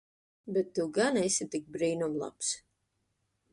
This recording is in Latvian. Bet tu gan esi tik brīnum labs.